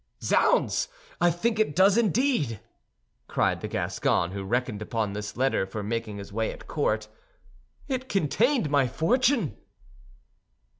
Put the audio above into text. "Zounds! I think it does indeed!" cried the Gascon, who reckoned upon this letter for making his way at court. "It contained my fortune!"